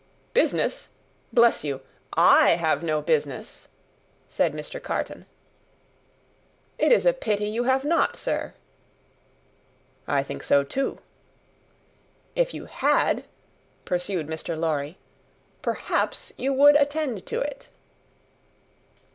"Business! Bless you, I have no business," said Mr. Carton. "It is a pity you have not, sir." "I think so, too." "If you had," pursued Mr. Lorry, "perhaps you would attend to it."